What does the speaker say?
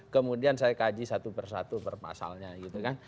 kemudian saya kaji satu persatu bermasalahnya gitu kan